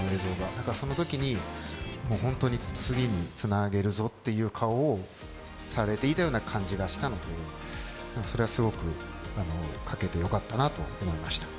そのときに、本当に次につなげるぞという顔をされていたような感じがしたので、それはすごく書けてよかったなと思いました。